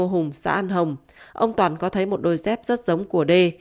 hùng xã an hồng ông toàn có thấy một đôi dép rất giống của đê